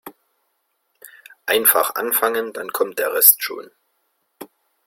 Einfach anfangen, dann kommt der Rest schon.